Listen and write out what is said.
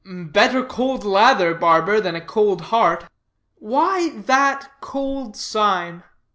"Better cold lather, barber, than a cold heart. Why that cold sign?